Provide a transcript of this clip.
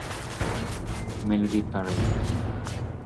Melody Parade